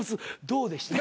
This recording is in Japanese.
どうでした？